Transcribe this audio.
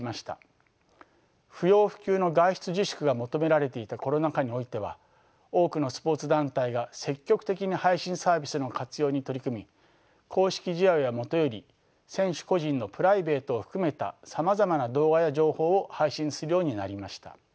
不要不急の外出自粛が求められていたコロナ禍においては多くのスポーツ団体が積極的に配信サービスの活用に取り組み公式試合はもとより選手個人のプライベートを含めたさまざまな動画や情報を配信するようになりました。